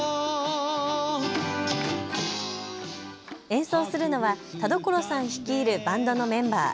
演奏するのは田所さん率いるバンドのメンバー。